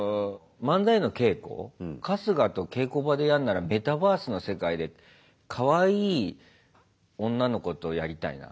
漫才の稽古春日と稽古場でやんならメタバースの世界でかわいい女の子とやりたいな。